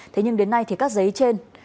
thế nhưng đến nay thì các giấy trên